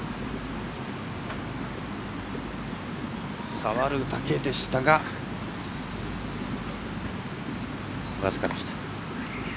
触るだけでしたが僅かでした。